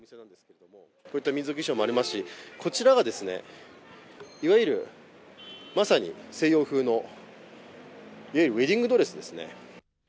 こういった民族衣装もありますしこちらが、いわゆる西洋風のウエディングドレスですね。